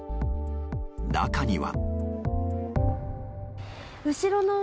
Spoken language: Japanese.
中には。